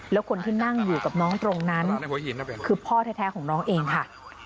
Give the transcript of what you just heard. แล้วคนที่นั่งอยู่กับน้องตรงนั้นคือพ่อแท้ของน้องเองค่ะ